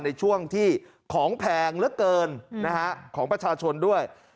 ในช่วงที่ของแพงเหลือเกินของประชาชนด้วย